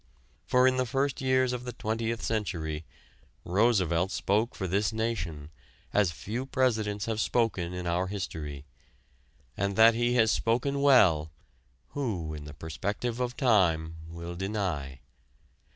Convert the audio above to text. For in the first years of the Twentieth Century, Roosevelt spoke for this nation, as few presidents have spoken in our history. And that he has spoken well, who in the perspective of time will deny?